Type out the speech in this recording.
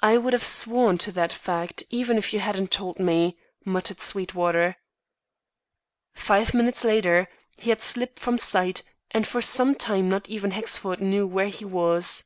"I would have sworn to that fact, even if you hadn't told me," muttered Sweetwater. Five minutes later, he had slipped from sight; and for some time not even Hexford knew where he was.